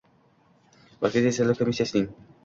Markaziy saylov komissiyasining